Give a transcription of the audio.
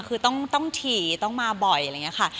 คือต้องโดนเร็วมาบ่อยอะไรเข้า